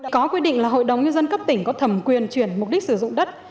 có quy định là hội đồng nhân dân cấp tỉnh có thẩm quyền chuyển mục đích sử dụng đất